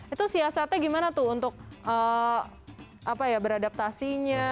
itu siasatnya gimana tuh untuk beradaptasinya